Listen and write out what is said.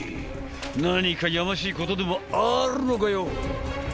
何かやましいことでもあるのかよ！？